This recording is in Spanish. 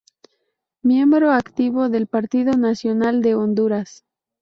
Miembro activo del Partido Nacional de Honduras.